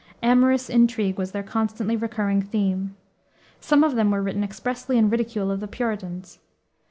Amorous intrigue was their constantly recurring theme. Some of them were written expressly in ridicule of the Puritans.